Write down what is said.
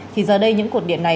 thì giờ đây những cổ điện này